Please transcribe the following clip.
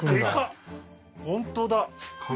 本当だ